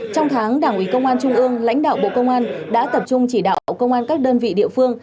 trong tháng đảng ủy công an trung ương lãnh đạo bộ công an đã tập trung chỉ đạo công an các đơn vị địa phương